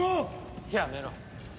やめろ。